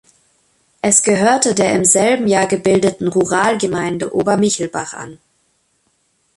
Es gehörte der im selben Jahr gebildeten Ruralgemeinde Obermichelbach an.